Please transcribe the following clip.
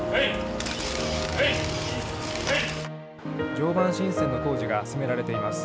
常磐新線の工事が進められています。